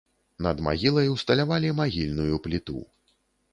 Над магілай усталявалі магільную пліту.